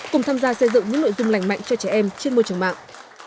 cùng tham gia xây dựng những nội dung lành mạnh cho trẻ em trên môi trường mạng